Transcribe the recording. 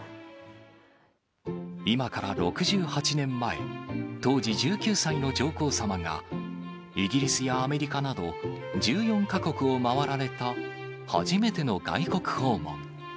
今から６８年前、当時１９歳の上皇さまが、イギリスやアメリカなど１４か国を回られた初めての外国訪問。